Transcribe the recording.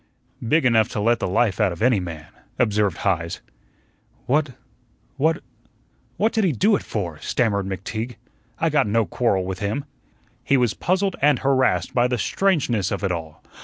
"Big enough to let the life out of any man," observed Heise. "What what what did he do it for?" stammered McTeague. "I got no quarrel with him." He was puzzled and harassed by the strangeness of it all.